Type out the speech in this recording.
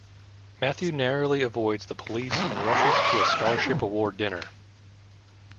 Matthew narrowly avoids the police and rushes to a scholarship award dinner.